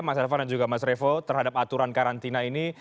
mas elvan dan juga mas revo terhadap aturan karantina ini